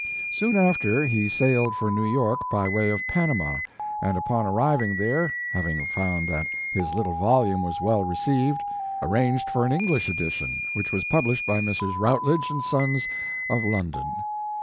Soon after he sailed for New York by way of Panama, and upon arriving there, having found that his little volume was well received, arranged for an English His Life and Work. edition, which was published by Messrs. Routiedge & Sons of London.